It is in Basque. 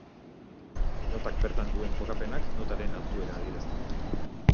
Notak bertan duen kokapenak, notaren altuera adierazten du.